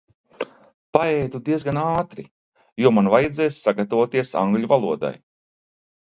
Paēdu diezgan ātri, jo man vajadzēs sagatavoties angļu valodai.